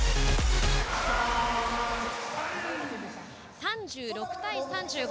３６対３５。